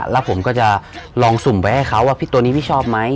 แล้วผมก็จะลองสุ่มไว้ให้เขาว่าพริกตัวนี้พี่ชอบไหม